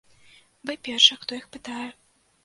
Вы першы, хто іх пытае.